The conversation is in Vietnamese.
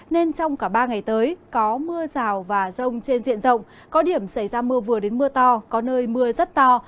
nên trong cả ba ngày tới có mưa rào và rông trên diện rộng có điểm xảy ra mưa vừa đến mưa to có nơi mưa rất to